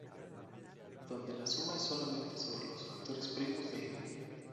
Donde la suma es solamente sobre los factores primos de "N".